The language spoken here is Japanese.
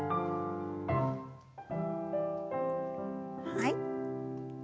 はい。